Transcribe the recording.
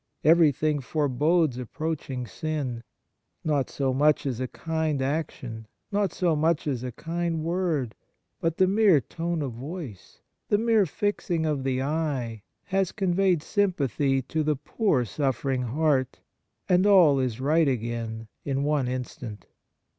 Everything forebodes approaching sin. Not so much as a kind action, not so much as a kind word, but the mere tone of voice, the mere fixing of the eye, has conveyed sympathy to the poor suffering heart, and all is right again in one instant.